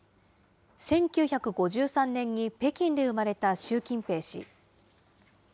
１９５３年に北京で生まれた習近平氏。